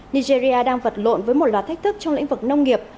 nigeria đang vật lộn với một loạt thách thức trong lĩnh vực nông nghiệp